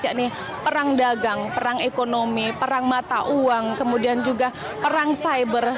yakni perang dagang perang ekonomi perang mata uang kemudian juga perang cyber